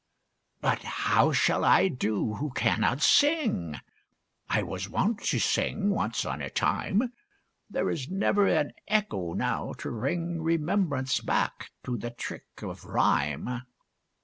But how shall I do who cannot sing? I was wont to sing, once on a time There is never an echo now to ring Remembrance back to the trick of rhyme.